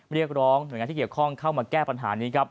เรียกร้องหน่วยงานที่เกี่ยวข้องเข้ามาแก้ปัญหานี้ครับ